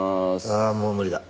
ああもう無理だ。